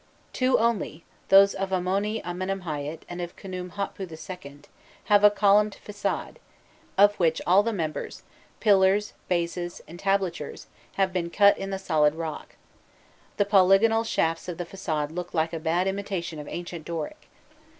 Two only, those of Amoni Amenemhâît and of Khnûm hotpû II., have a columned façade, of which all the members pillars, bases, entablatures have been cut in the solid rock: the polygonal shafts of the façade look like a bad imitation of ancient Doric.